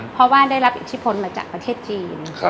เพราะว่าได้รับอิทธิพลมาจากประเทศจีน